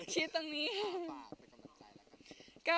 จริงหรอค่ะ